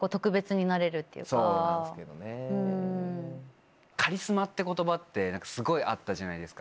そうなんですけどね。って言葉ってすごいあったじゃないですか。